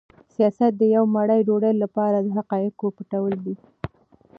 سیاست د یوې مړۍ ډوډۍ لپاره د حقایقو پټول دي.